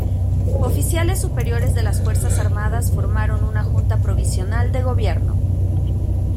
Oficiales superiores de las Fuerzas Armadas formaron una Junta Provisional de Gobierno.